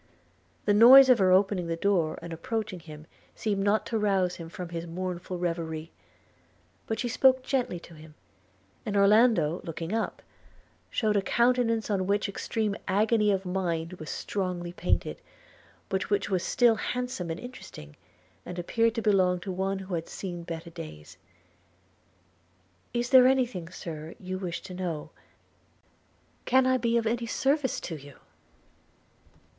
The noise of her opening the door and approaching him seemed not to rouse him from his mournful reverie: but she spoke gently to him; and Orlando, looking up, shewed a countenance on which extreme agony of mind was strongly painted, but which was still handsome and interesting, and appeared to belong to one who had seen better days: – 'Is there anything, Sir, you wish to know? Can I be of any service to you?'